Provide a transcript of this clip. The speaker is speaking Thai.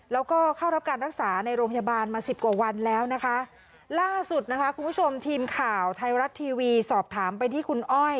แล้วก็เข้ารับการรักษาในโรงพยาบาลมาสิบกว่าวันแล้วนะคะล่าสุดนะคะคุณผู้ชมทีมข่าวไทยรัฐทีวีสอบถามไปที่คุณอ้อย